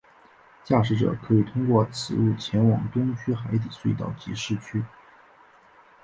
驾驶者可以通过此路前往东区海底隧道及市区。